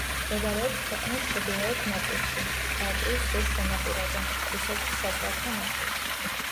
მდებარეობს ქვეყნის ჩდილოეთ ნაწილში, ბალტიის ზღვის სანაპიროზე, რუსეთის საზღვართან ახლოს.